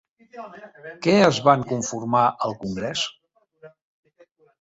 Què es van conformar al congrés?